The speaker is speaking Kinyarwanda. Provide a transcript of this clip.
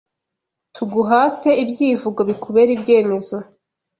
Tuguhate ibyivugo Bikubere ibyemezo